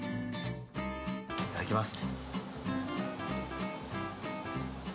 いただきます。